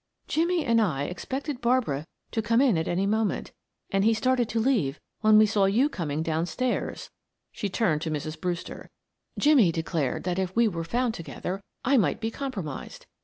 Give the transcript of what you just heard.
"Jimmie and I expected Barbara to come in at any moment, and he started to leave when we saw you coming downstairs," she turned to Mrs. Brewster. "Jimmie declared that if we were found together I might be compromised.